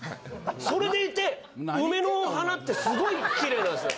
それでいて梅の花ってすごいキレイなんすよ！